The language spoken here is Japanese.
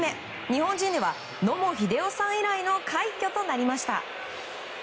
日本人では野茂英雄さん以来の快挙となりました。